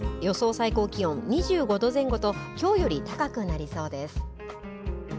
最高気温２５度前後ときょうより高くなりそうです。